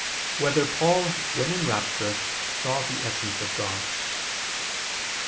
3] Whether Paul, When in Rapture, Saw the Essence of God?